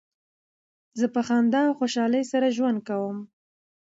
زه په خندا او خوشحالۍ سره ژوند کوم.